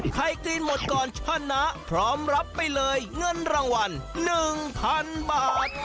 กรีนหมดก่อนชนะพร้อมรับไปเลยเงินรางวัล๑๐๐๐บาท